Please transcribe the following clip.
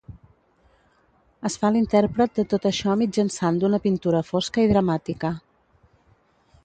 Es fa l'intèrpret de tot això mitjançant d'una pintura fosca i dramàtica.